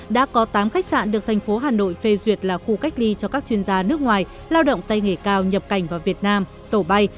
đã có tám khách sạn được thành phố hà nội phê duyệt là khu cách ly cho các chuyên gia nước ngoài lao động tay nghề cao nhập cảnh vào việt nam tổ bay